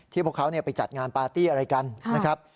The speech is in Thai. พวกเขาไปจัดงานปาร์ตี้อะไรกันนะครับ